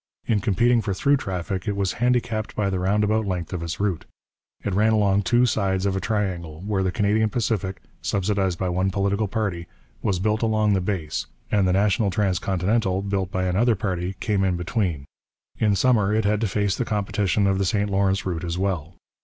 In competing for through traffic it was handicapped by the roundabout length of its route: it ran along two sides of a triangle, while the Canadian Pacific, subsidized by one political party, was built along the base, and the National Transcontinental, built by the other party, came in between; in summer it had to face the competition of the St Lawrence route as well.